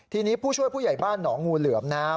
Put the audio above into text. ทีนี้ผู้ช่วยผู้ใหญ่บ้านหนองงูเหลือมนะครับ